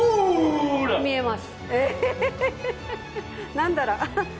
何だろう？